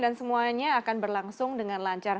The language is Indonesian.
dan semuanya akan berlangsung dengan lancar